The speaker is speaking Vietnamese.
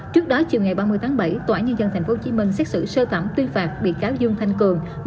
trước đó chiều ngày ba mươi tháng bảy tòa án nhân dân tp hcm xét xử sơ thẩm tuyên phạt bị cáo dương thanh cường